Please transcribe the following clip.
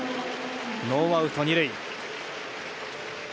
ノーアウト２塁。